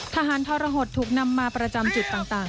ทหารทรหดถูกนำมาประจำจุดต่าง